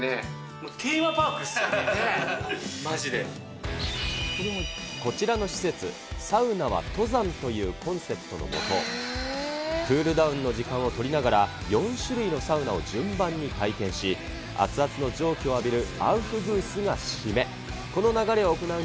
もうテーマパこちらの施設、サウナは登山というコンセプトのもと、クールダウンの時間を取りながら、４種類のサウナを順番に体験し、熱々の蒸気を浴びるアウフグースが締め。